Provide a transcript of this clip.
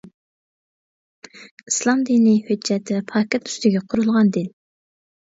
ئىسلام دىنى ھۆججەت ۋە پاكىت ئۈستىگە قۇرۇلغان دىن.